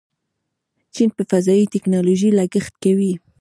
چین په فضایي ټیکنالوژۍ لګښت کوي.